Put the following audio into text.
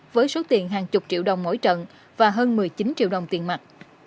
với số tiền hàng chục triệu đồng mỗi trận và hơn một mươi chín triệu đồng tiền mặt